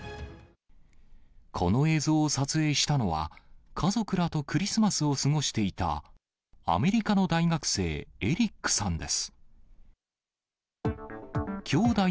この映像を撮影したのは、家族らとクリスマスを過ごしていたアメリカの大学生、エリックさんです。